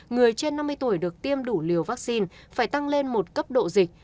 người trên năm mươi tuổi được tiêm đủ liều vaccine phải tăng lên một cấp độ dịch